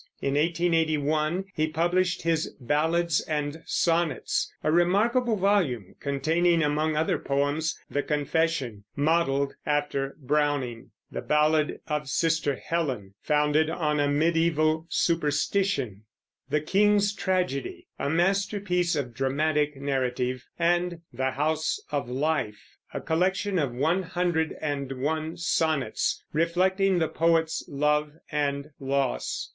In 1881 he published his Ballads and Sonnets, a remarkable volume containing, among other poems, "The Confession," modeled after Browning; "The Ballad of Sister Helen," founded on a mediæval superstition; "The King's Tragedy," a masterpiece of dramatic narrative; and "The House of Life," a collection of one hundred and one sonnets reflecting the poet's love and loss.